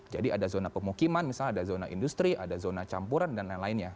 jadi ada zona pemukiman misalnya ada zona industri ada zona campuran dan lain lainnya